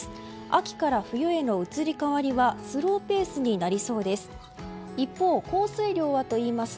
秋から冬への移り変わりはスローペースになりそうです。